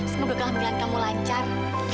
semoga kehamilan kamu lancar